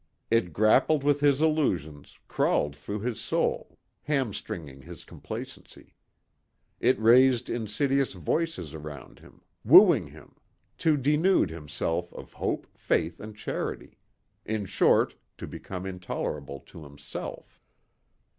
It grappled with his illusions, crawled through his soul, hamstringing his complacency. It raised insidious voices around him, wooing him. To denude himself of hope, faith and charity in short to become intolerable to himself.